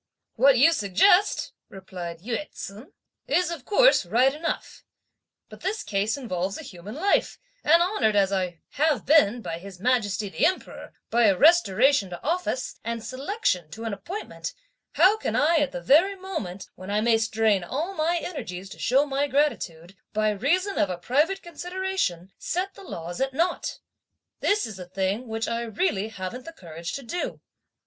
"What you suggest," replied Yü ts'un, "is, of course, right enough; but this case involves a human life, and honoured as I have been, by His Majesty the Emperor, by a restoration to office, and selection to an appointment, how can I at the very moment, when I may strain all my energies to show my gratitude, by reason of a private consideration, set the laws at nought? This is a thing which I really haven't the courage to do."